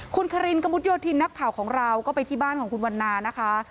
คุณคารินกระมุดโยธินนักข่าวของเราก็ไปที่บ้านของคุณวันนานะคะ